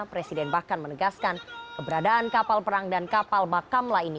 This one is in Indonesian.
presiden bahkan menegaskan keberadaan kapal perang dan kapal bakamla ini